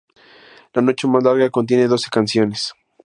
La noche más larga contiene doce canciones.